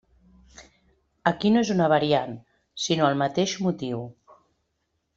Aquí no és una variant, sinó el mateix motiu.